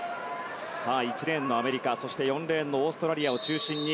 １レーンのアメリカそして４レーンのオーストラリアを中心に